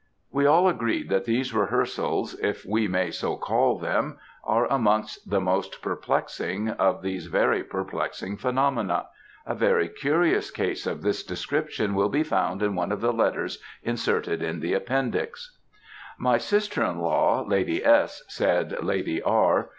We all agreed that these rehearsals, if we may so call them, are amongst the most perplexing of these very perplexing phenomena; a very curious case of this description will be found in one of the letters inserted in the Appendix. "My sister in law, Lady S.," said Lady R.